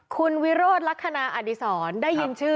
คุณวิโรธลักษณะอดีศรได้ยินชื่อ